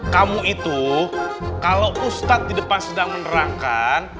kamu itu kalau ustadz di depan sedang menerangkan